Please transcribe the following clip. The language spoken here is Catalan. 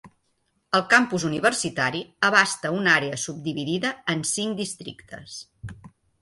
El campus universitari abasta una àrea subdividida en cinc districtes.